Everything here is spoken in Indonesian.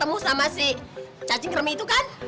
kamu sama si cacing kremi itu kan